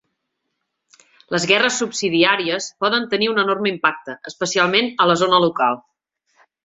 Les guerres subsidiàries poden tenir un enorme impacte, especialment a la zona local.